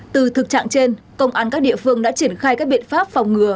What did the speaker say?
từ thực trạng trên công an các địa phương đã triển khai các biện pháp phòng ngừa